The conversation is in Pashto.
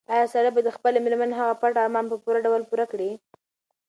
ایا سړی به د خپلې مېرمنې هغه پټ ارمان په پوره ډول پوره کړي؟